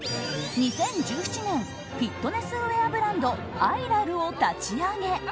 ２０１７年フィットネスウェアブランドＩＲＡＬを立ち上げ